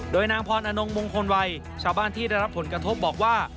โดยนางพรอนงมงคลวัยชาวบ้านที่ได้รับผลกระทบบอกว่า